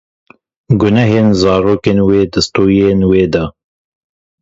Gunehê zarokên we di stûyên we de.